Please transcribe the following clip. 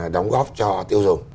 đóng góp cho tiêu dùng